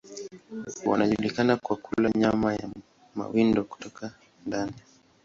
Wanajulikana kwa kula nyama ya mawindo kutoka ndani.